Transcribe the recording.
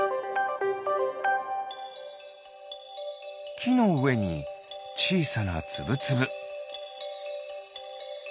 きのうえにちいさなツブツブ。